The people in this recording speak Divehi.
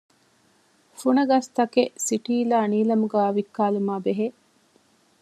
ފުނަގަސްތަކެއް ސިޓީލާ ނީލަމުގައި ވިއްކާލުމާއިބެހޭ